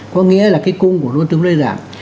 có nghĩa là cái cung của nguồn tướng lên giảm